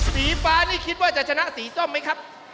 สีฟ้านี่คิดว่าจะชนะสีส้มไหมครับ